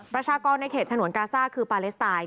ประชากรในเขตฉนวนกาซ่าคือปาเลสไตน์